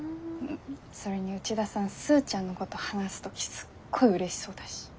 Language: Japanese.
それに内田さんスーちゃんのこと話す時すっごいうれしそうだし。